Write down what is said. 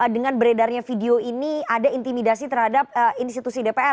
dengan beredarnya video ini ada intimidasi terhadap institusi dpr